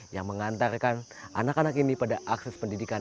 yang mengantarkan anak anak ini pada akses pendidikan